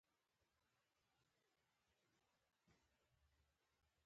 د هغه برياليتوب په ايمان کې نغښتی و.